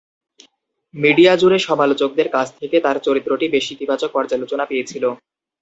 Media জুড়ে সমালোচকদের কাছ থেকে তাঁর চরিত্রটি বেশ ইতিবাচক পর্যালোচনা পেয়েছিল।